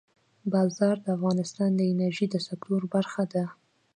باران د افغانستان د انرژۍ د سکتور برخه ده.